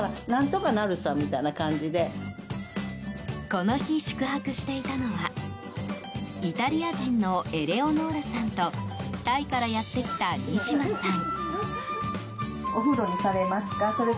この日、宿泊していたのはイタリア人のエレノオーラさんとタイからやってきたニシマさん。